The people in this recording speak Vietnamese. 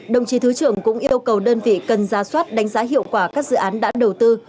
đồng chí thứ trưởng cũng yêu cầu đơn vị cần ra soát đánh giá hiệu quả các dự án đã đầu tư